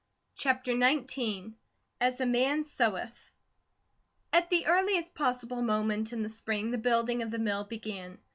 CHAPTER XIX "AS A MAN SOWETH" AT THE earliest possible moment in the spring, the building of the mill began.